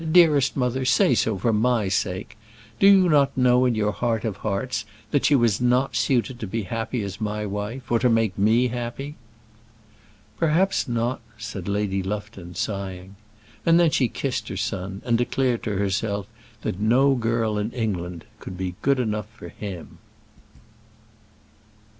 Dearest mother, say so for my sake. Do you not know in your heart of hearts that she was not suited to be happy as my wife, or to make me happy?" "Perhaps not," said Lady Lufton, sighing. And then she kissed her son, and declared to herself that no girl in England could be good enough for him.